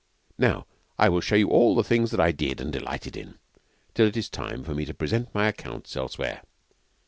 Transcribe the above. Now I will show you all the things that I did, and delighted in, till it was time for me to present my accounts elsewhere.'